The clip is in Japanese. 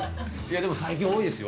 でも、最近多いですよ。